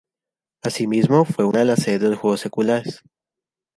Asimismo fue una de las sedes de los Juegos Seculares.